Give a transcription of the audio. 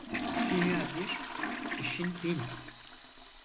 Dünya bir, işin bin.